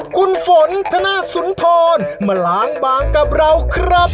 คุณฝนธนสุนทรมาล้างบางกับเราครับ